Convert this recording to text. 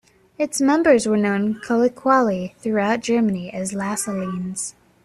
Its members were known colloquially throughout Germany as "Lassalleans".